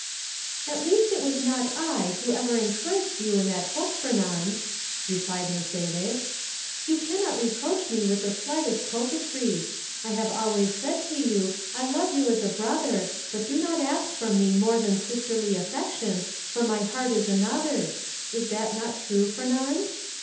"At least it was not I who ever encouraged you in that hope, Fernand," replied Mercédès; "you cannot reproach me with the slightest coquetry. I have always said to you, 'I love you as a brother; but do not ask from me more than sisterly affection, for my heart is another's.' Is not this true, Fernand?"